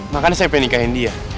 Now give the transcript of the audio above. makanya saya pengen nikahin dia